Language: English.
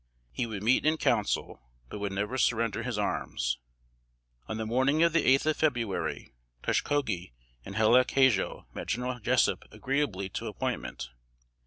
He would meet in Council, but would never surrender his arms. On the morning of the eighth of February, Toshkogee and Hallec Hajo met General Jessup agreeably to appointment.